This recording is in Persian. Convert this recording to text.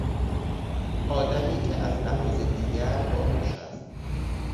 آدمی که از لحاظ دیگر باهوش است